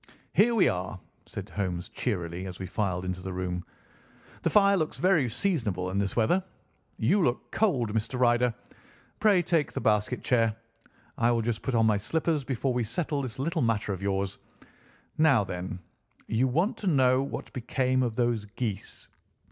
"Here we are!" said Holmes cheerily as we filed into the room. "The fire looks very seasonable in this weather. You look cold, Mr. Ryder. Pray take the basket chair. I will just put on my slippers before we settle this little matter of yours. Now, then! You want to know what became of those geese?"